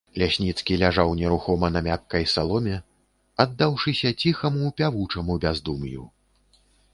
Лясніцкі ляжаў нерухома на мяккай саломе, аддаўшыся ціхаму пявучаму бяздум'ю.